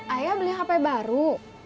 ayah beli hp baru